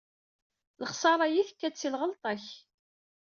Lexsara-yi tekka-d si lɣelṭa-k.